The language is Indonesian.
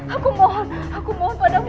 aku mohon aku mohon padamu